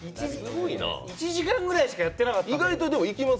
１時間ぐらいしかやってなかったんだけど。